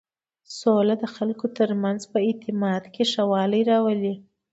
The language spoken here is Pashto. سوله د خلکو تر منځ په اعتماد کې ښه والی راولي.